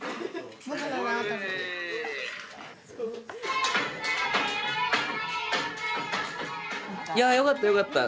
頑張れ！いやよかったよかった。